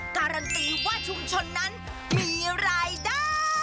การันตีว่าชุมชนนั้นมีรายได้